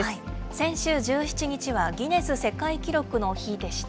先週１７日はギネス世界記録の日でした。